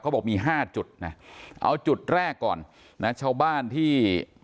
บอกมีห้าจุดนะเอาจุดแรกก่อนนะชาวบ้านที่